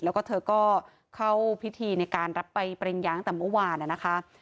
แล้วก็เธอก็เข้าพิธีในการรับไปปริญญาตั้งแต่เมื่อวานนะคะ